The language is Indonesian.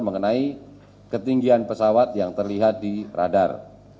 mengenai ketinggian pesawat yang terlihat di radar